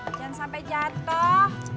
jangan sampai jatuh